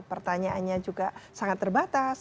pertanyaannya juga sangat terbatas